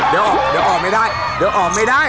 เดี๋ยวออกไม่ได้ออกไม่ได้